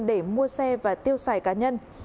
để mua xe và tiêu xài cá nhân